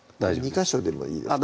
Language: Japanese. ２ヵ所でもいいですか？